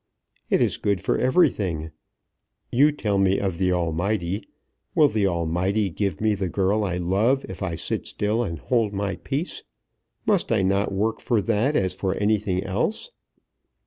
"It is good for everything. You tell me of the Almighty. Will the Almighty give me the girl I love if I sit still and hold my peace? Must I not work for that as for anything else?"